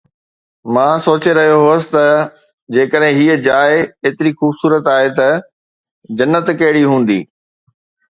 مان سوچي رهيو هوس ته جيڪڏهن هيءَ جاءِ ايتري خوبصورت آهي ته جنت ڪهڙي هوندي